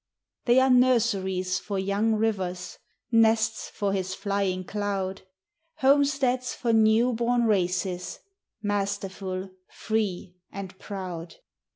They are nurseries for young rivers; Nests for his flying cloud; Homesteads for new born races, Masterful, free, and proud.